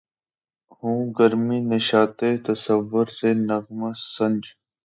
ہوں گرمیِ نشاطِ تصور سے نغمہ سنج